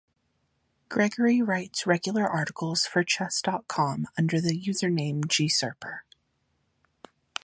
Gregory writes regular articles for Chess dot com under the username "Gserper".